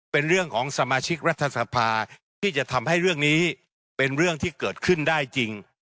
เป็นเรื่องของสมาชิกรัฐสภาที่จะทำให้เรื่องนี้เป็นเรื่องที่เกิดขึ้นได้จริง